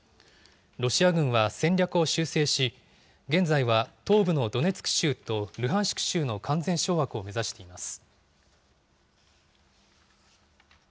ロシア軍は戦略を修正し、現在は東部のドネツク州とルハンシク州の完全掌握を目指しています。